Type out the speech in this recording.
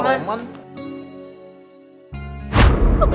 pernah bilang sama gue